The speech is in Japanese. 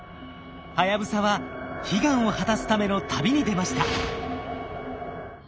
はやぶさは悲願を果たすための旅に出ました。